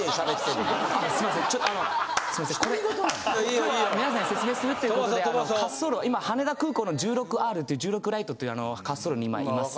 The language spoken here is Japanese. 今日は皆さんに説明するっていうことで滑走路今羽田空港の１６Ｒって１６ライトっていう滑走路に今います。